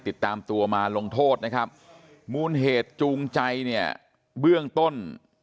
ติดตามตัวมาลงโทษนะครับมูลเหตุจูงใจเนี่ยเบื้องต้น